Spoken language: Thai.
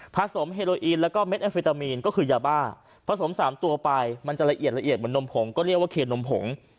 สมเฮโรอีนแล้วก็เด็ดแอฟเฟตามีนก็คือยาบ้าผสม๓ตัวไปมันจะละเอียดละเอียดเหมือนนมผงก็เรียกว่าเคนมผง